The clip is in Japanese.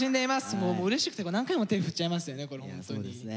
もううれしくて何回も手振っちゃいますよね